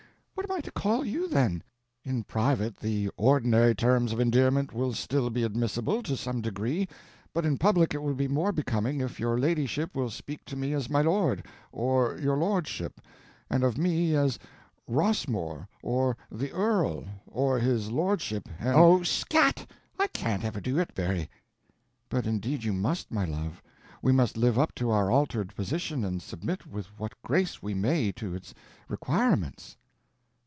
What am I to call you then?" "In private, the ordinary terms of endearment will still be admissible, to some degree; but in public it will be more becoming if your ladyship will speak to me as my lord, or your lordship, and of me as Rossmore, or the Earl, or his Lordship, and—" "Oh, scat! I can't ever do it, Berry." "But indeed you must, my love—we must live up to our altered position and submit with what grace we may to its requirements."